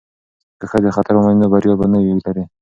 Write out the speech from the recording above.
که ښځې خطر ومني نو بریا به نه وي لرې.